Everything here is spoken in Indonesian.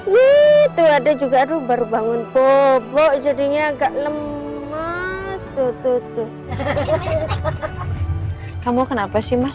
gitu ada juga aduh baru bangun bobo jadinya agak lemas tuh tuh tuh kamu akan apa sih mas